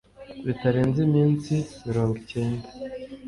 bitarenze iminsi mirongo icyenda